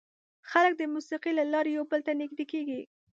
خلک د موسیقۍ له لارې یو بل ته نږدې کېږي.